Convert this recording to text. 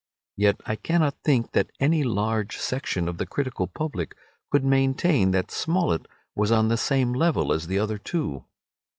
Yet I cannot think that any large section of the critical public could maintain that Smollett was on the same level as the other two.